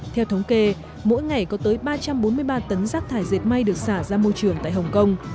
theo thống kê mỗi ngày có tới ba trăm bốn mươi ba tấn rác thải diệt may được xả ra môi trường tại hồng kông